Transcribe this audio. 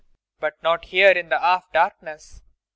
But not here in the half darkness!